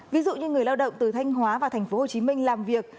ví dụ như người lao động từ thanh hóa và tp hcm làm việc